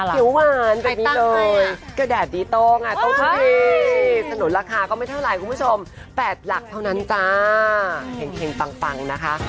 เขียวหวานแบบนี้เลยกระแดดดีต้องทุ่มเทสนุนราคาก็ไม่เท่าไหร่คุณผู้ชม๘หลักเท่านั้นจ้าเห็งปังนะคะ